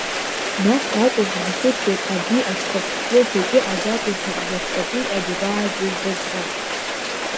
Нас акәын уанхәыцуаз абри аҽхәаԥхьӡы хәыҷы азакәызма абасҟатәи аџьабаа зызбаз ҳәа.